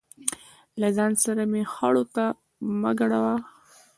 له ځان سره مې خړو ته مه ګډوه.